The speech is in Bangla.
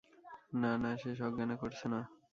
না, না, সে সজ্ঞানে করছে না।